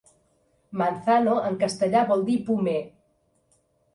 Manzano en castellà vol dir pomer.